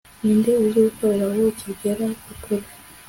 Ninde uzi gukorera ubuki bwera bwukuri